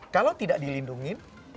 kalau tidak dilindungi